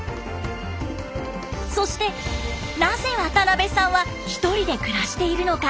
そしてなぜ渡邊さんは１人で暮らしているのか。